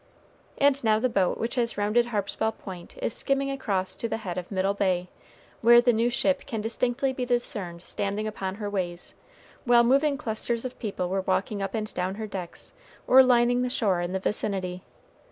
And now the boat which has rounded Harpswell Point is skimming across to the head of Middle Bay, where the new ship can distinctly be discerned standing upon her ways, while moving clusters of people were walking up and down her decks or lining the shore in the vicinity.